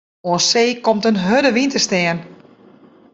Oan see komt in hurde wyn te stean.